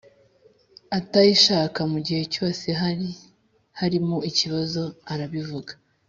Atayishaka mu gihe cyose hari harimo ikibazo arabivuga